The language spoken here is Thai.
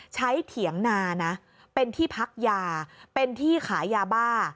เถียงนานะเป็นที่พักยาเป็นที่ขายยาบ้า